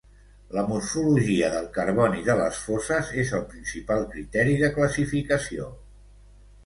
La morfologia del carboni de les foses és el principal criteri de classificació.